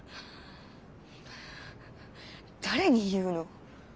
誰に言うの？